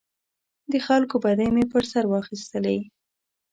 د خلکو بدۍ مې پر سر واخیستلې.